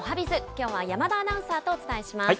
きょうは山田アナウンサーとお伝えします。